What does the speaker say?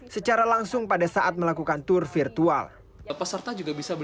secara langsung pada saat melakukan tur virtual